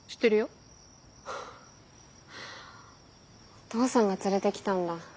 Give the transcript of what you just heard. お父さんが連れてきたんだ。